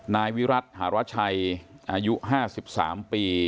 นายวิรัติหารชัยอายุ๕๓ปี